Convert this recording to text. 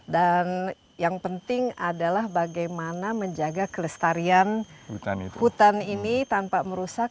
dan yang penting adalah bagaimana menjaga kelestarian hutan ini tanpa merusak